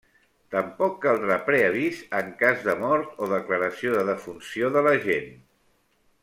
Tampoc caldrà preavís en cas de mort o declaració de defunció de l'agent.